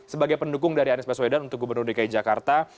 sebagai pendukung dari anies baswedan untuk gubernur dki jakarta